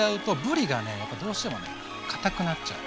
やっぱどうしてもね堅くなっちゃう。